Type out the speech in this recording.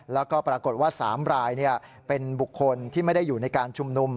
แล้วก็ปรากฏว่า๓รายเป็นบุคคลที่ไม่ได้อยู่ในการชุมนุม